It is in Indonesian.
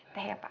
teh ya pak